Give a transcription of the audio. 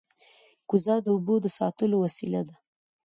کوزه د اوبو د ساتلو وسیله ده